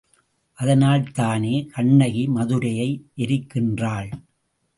அதனால்தானே கண்ணகி மதுரையை எரிக்கின்றாள்!